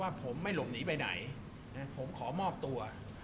ผมไม่หลบหนีไปไหนผมขอมอบตัว